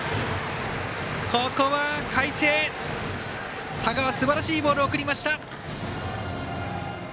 ここは海星、田川すばらしいボールを送りました。